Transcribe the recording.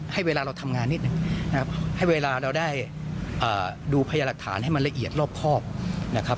ให้เวลาเราทำงานนิดหนึ่งนะครับให้เวลาเราได้ดูพยาหลักฐานให้มันละเอียดรอบครอบนะครับ